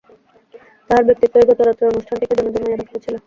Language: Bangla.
তাঁহার ব্যক্তিত্বই গতরাত্রের অনুষ্ঠানটিকে যেন জমাইয়া রাখিয়াছিল।